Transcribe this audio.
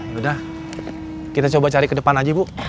sudah kita coba cari ke depan aja bu